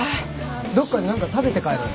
どっかで何か食べて帰ろうよ。